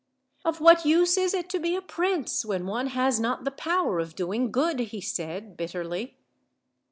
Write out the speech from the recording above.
"Of what use is it to be a prince, when one has not the power of doing good?" he said bitterly.